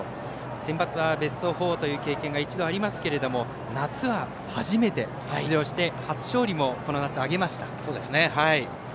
センバツはベスト４という経験もありますが、夏は初めて出場して、初勝利もこの夏、挙げました。